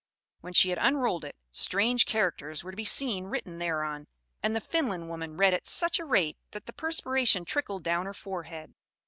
When she had unrolled it, strange characters were to be seen written thereon; and the Finland woman read at such a rate that the perspiration trickled down her forehead.